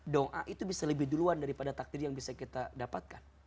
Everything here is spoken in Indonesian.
doa itu bisa lebih duluan daripada takdir yang bisa kita dapatkan